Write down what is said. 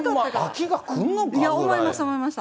思いました、思いました。